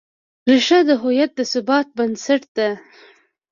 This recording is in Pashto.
ریښه د هویت د ثبات بنسټ ده.